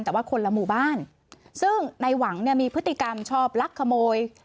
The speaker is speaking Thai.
แต่ว่าคนละหมู่บ้านซึ่งในหวังเนี่ยมีพฤติกรรมชอบลักขโมย